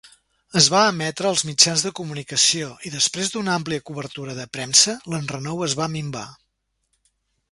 Es va emetre als mitjans de comunicació, i després d'una àmplia cobertura de premsa, l'enrenou es va minvar.